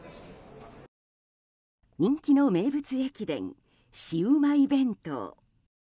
人気の名物駅弁シウマイ弁当。